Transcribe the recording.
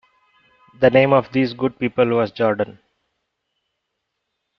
The name of these good people was Jordan.